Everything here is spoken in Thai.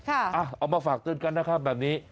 เอามาฝากเตือนกันนะครับแบบนี้